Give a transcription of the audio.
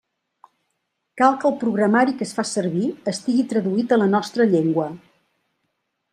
Cal que el programari que es fa servir estigui traduït a la nostra llengua.